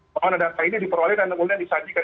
bahwa data ini diperoleh dan kemudian disajikan